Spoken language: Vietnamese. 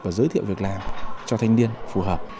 và giới thiệu việc làm cho thanh niên phù hợp